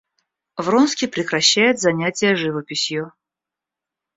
Вронский прекращает занятия живописью.